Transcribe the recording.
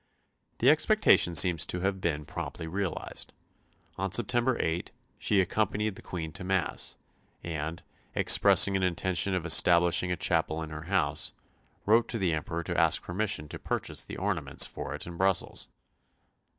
The expectation seems to have been promptly realised. On September 8 she accompanied the Queen to Mass, and, expressing an intention of establishing a chapel in her house, wrote to the Emperor to ask permission to purchase the ornaments for it in Brussels.